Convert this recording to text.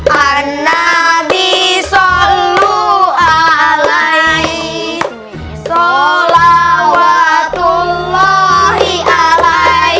anadisiallu alai maisolawatullohialahi